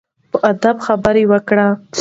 په ادب خبرې وکړئ.